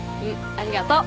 ありがとう。